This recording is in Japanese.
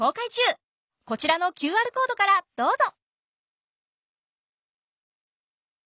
こちらのＱＲコードからどうぞ！